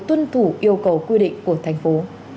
tuân thủ yêu cầu quy định của thành phố